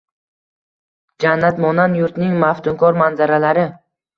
Jannatmonand yurtning maftunkor manzaralari